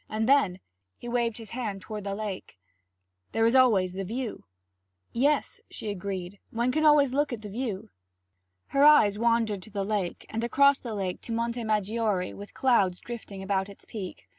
And then ' he waved his hand toward the lake, 'there is always the view.' 'Yes,' she agreed, 'one can always look at the view.' Her eyes wandered to the lake, and across the lake to Monte Maggiore with clouds drifting about its peak.